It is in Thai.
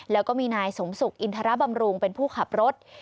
แล้วก็มีนายสมศุกร์อินทรบำรุงเป็นผู้ขับรถ